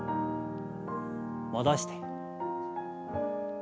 戻して。